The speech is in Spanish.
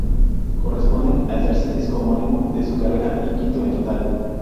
Corresponde al tercer disco homónimo de su carrera, y quinto en total.